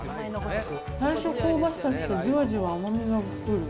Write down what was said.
最初香ばしさが来て、じわじわ甘みが来る。